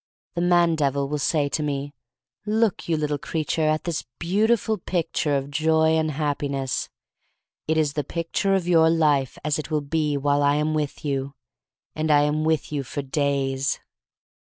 The man devil will say to me: "Look, you little creature, at this beautiful picture of Joy and Happiness. *It is the picture of your life as it will be while I am with you — and I am with you for days."